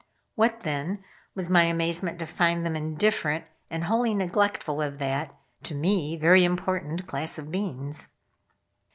What, then, was my amazement to find them indifferent and wholly neglectful of that (to me) very important class of beings.